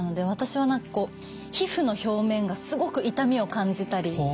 私は何かこう皮膚の表面がすごく痛みを感じたり。